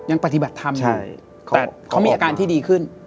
ยังปฏิบัติธรรมอยู่แต่เขามีอาการที่ดีขึ้น